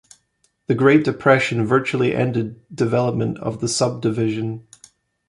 The Great Depression virtually ended development of the subdivision.